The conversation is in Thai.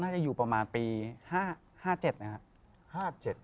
น่าจะอยู่ประมาณปี๕๗นะครับ